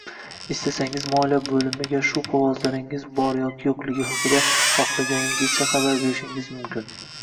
Istasangiz moliya boʻlimiga shu qogʻozlaringiz bor yoki yoʻqligi haqida xohlaganingizcha xabar berishingiz mumkin.